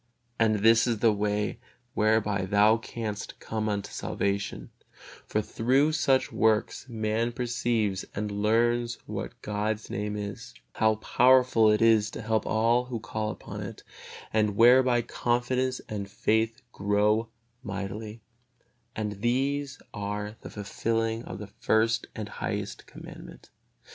And this is the way whereby thou canst come unto salvation; for through such works man perceives and learns what God's Name is, how powerful it is to help all who call upon it; and whereby confidence and faith grow mightily, and these are the fulfilling of the first and highest Commandment.